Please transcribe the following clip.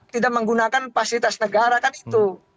tidak menggunakan fasilitas negara kan itu